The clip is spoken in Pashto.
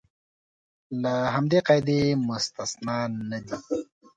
له همدې قاعدې مستثنی نه دي.